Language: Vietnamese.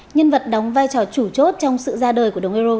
nhân vật đóng vai trò chủ chốt trong sự ra đời của đồng euro